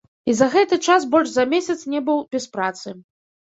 І за гэты час больш за месяц не быў без працы.